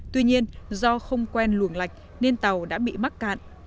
tuy nhiên do không quen luồng lạch nên tàu đã bị mắc cạn